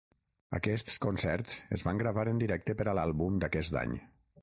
Aquests concerts es van gravar en directe per a l'àlbum d'aquest any.